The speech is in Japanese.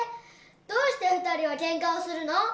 どうして２人はけんかをするの？